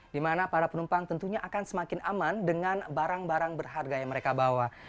di mana para penumpang tentunya akan semakin aman dengan barang barang berharga yang mereka bawa